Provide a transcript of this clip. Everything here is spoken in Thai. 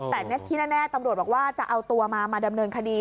แต่ที่แน่ตำรวจบอกว่าจะเอาตัวมามาดำเนินคดี